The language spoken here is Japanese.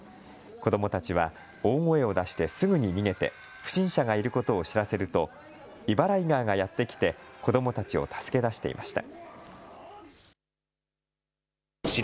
子どもたちは大声を出してすぐに逃げて不審者がいることを知らせるとイバライガーがやって来て子どもたちを助け出していました。